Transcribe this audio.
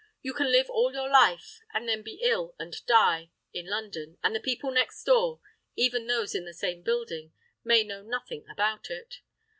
You can live all your life, and then be ill and die, in London, and the people next door—even those in the same building—may know nothing about it.